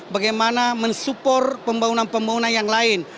bagaimana mensupport pembangunan pembangunan yang lain